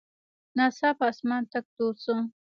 ناڅاپه اسمان تک تور شو.